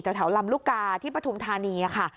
แต่แถวลำลูกกาที่ปทุมธานี